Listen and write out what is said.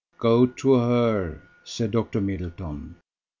"Go to her," said Dr. Middleton.